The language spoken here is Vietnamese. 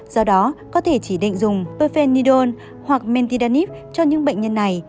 do đó có thể chỉ định dùng perfenidone hoặc mentidonib cho những bệnh nhân này